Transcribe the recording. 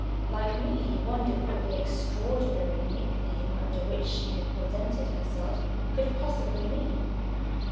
Like me, he wondered what the extraordinary nick name under which she had presented herself could possibly mean.